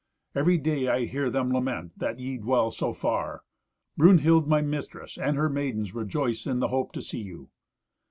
Every day I hear them lament that ye dwell so far. Brunhild my mistress, and her maidens, rejoice in the hope to see you."